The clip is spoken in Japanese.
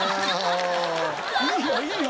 いいよいいよ！